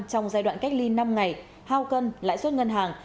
trong giai đoạn cách ly năm ngày hao cân lãi suất ngân hàng